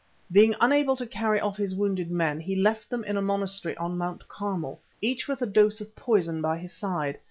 Being unable to carry off his wounded men, he left them in a monastery on Mount Carmel, each with a dose of poison by his side.